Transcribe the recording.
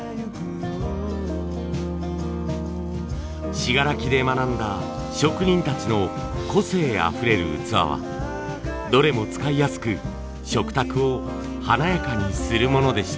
信楽で学んだ職人たちの個性あふれる器はどれも使いやすく食卓を華やかにするものでした。